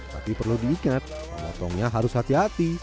tapi perlu diingat pemotongnya harus hati hati